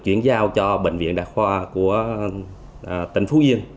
chuyển giao cho bệnh viện đa khoa của tỉnh phú yên